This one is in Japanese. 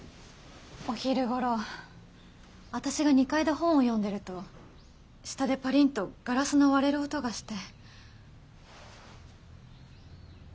お昼ごろ私が２階で本を読んでると下でパリンとガラスの割れる音がして。